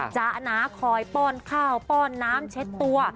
จ๊ะหนาคอยป้อนข้าวป้อนน้ำเช็ดตัว